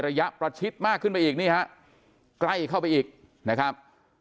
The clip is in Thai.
ระยะประชิดมากขึ้นไปอีกนี่ฮะใกล้เข้าไปอีกนะครับ